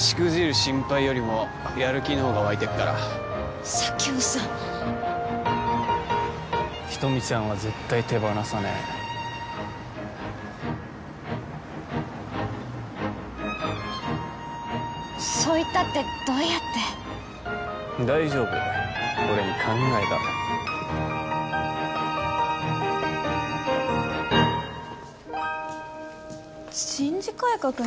心配よりもやる気のほうが湧いてっから佐京さん人見ちゃんは絶対手放さねえそう言ったってどうやって大丈夫俺に考えがある人事改革に向けてのアンケート？